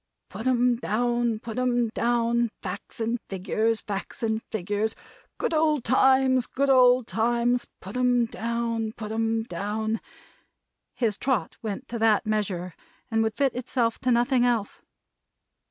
"Put 'em down. Put 'em down! Facts and Figures, Facts and Figures! Good old Times, Good old Times! Put 'em down, Put 'em down!" his trot went to that measure, and would fit itself to nothing else.